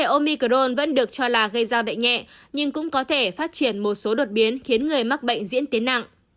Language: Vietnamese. omicron vẫn được cho là gây ra bệnh nhẹ nhưng cũng có thể phát triển một số đột biến khiến người mắc bệnh diễn tiến nặng